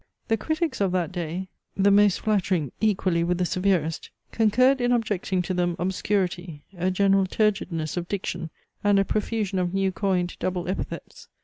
The critics of that day, the most flattering, equally with the severest, concurred in objecting to them obscurity, a general turgidness of diction, and a profusion of new coined double epithets .